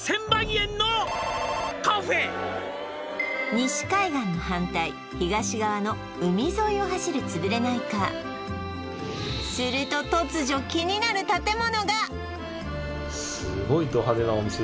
西海岸の反対東側の海沿いを走るつぶれないカーすると突如を発見！